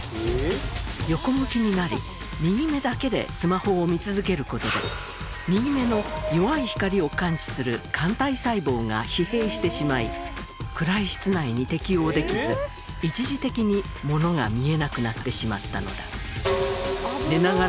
横向きになり右目だけでスマホを見続ける事で右目の弱い光を感知する桿体細胞が疲弊してしまい暗い室内に適応できず一時的にものが見えなくなってしまったのだ。